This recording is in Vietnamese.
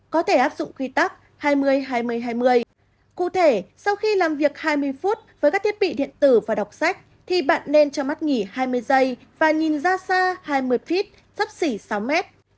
có thể áp dụng quy tắc hai mươi hai mươi hai mươi cụ thể sau khi làm việc hai mươi phút với các thiết bị điện tử và đọc sách thì bạn nên cho mắt nghỉ hai mươi giây và nhìn ra xa hai mươi feet sấp xỉ sáu m